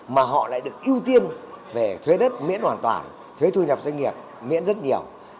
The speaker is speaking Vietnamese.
mà họ lại được ưu tiên về thuế đất miễn hoàn toàn thuế thu nhập doanh nghiệp miễn rất nhiều